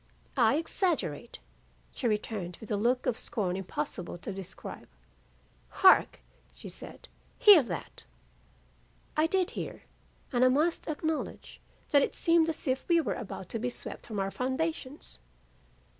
"'I exaggerate!' she returned with a look of scorn impossible to describe. 'Hark!' she said, 'hear that.' "I did hear, and I must acknowledge that it seemed is if we were about to be swept from our foundations.